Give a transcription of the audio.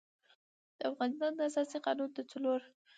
د افغانستان د اساسي قـانون د څلور